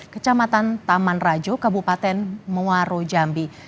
kecamatan taman rajo kabupaten muarujambi